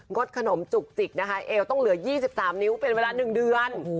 ดขนมจุกจิกนะคะเอวต้องเหลือ๒๓นิ้วเป็นเวลา๑เดือน